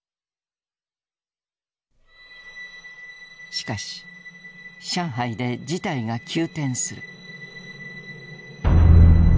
しかし上海で事態が急転する。